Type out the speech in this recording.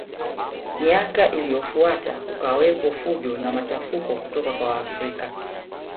Miaka iliyofuata kukawepo fujo na machafuko kutoka kwa Waafrika